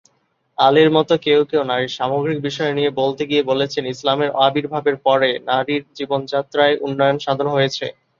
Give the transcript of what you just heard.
আলির মত কেও কেও নারীর সামগ্রিক বিষয় নিয়ে বলতে গিয়ে বলেছেন, ইসলামের আবির্ভাবের পরে নারীর জীবনযাত্রায় উন্নয়ন সাধন হয়েছে।